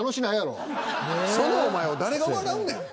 そのお前を誰が笑うねん！